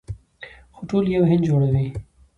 خو ټول یو هند جوړوي.